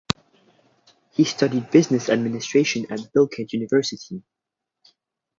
He studied Business administration at Bilkent University.